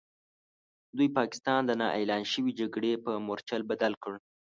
دوی پاکستان د نا اعلان شوې جګړې په مورچل بدل کړ.